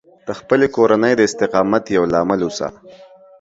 د خپلې کورنۍ د استقامت یو لامل اوسه